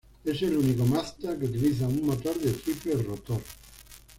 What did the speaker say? Es el único Mazda que utiliza un motor de triple rotor.